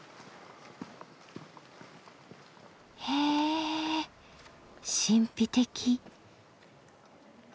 へぇ神秘的。